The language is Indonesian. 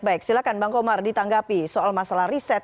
baik silahkan bang komar ditanggapi soal masalah riset